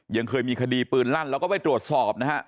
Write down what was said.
ยังเคยมีคดีปืนลั่นแล้วก็ไปตรวจสอบนะฮะ